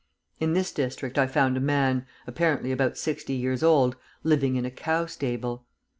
In this district I found a man, apparently about sixty years old, living in a cow stable.